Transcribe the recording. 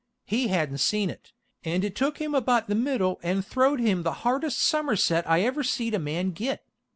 He hadn't seen it, and it took him about the middle and throwed him the hardest summerset I ever seed a man git.